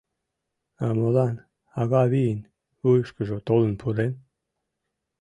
А молан Агавийын вуйышкыжо толын пурен?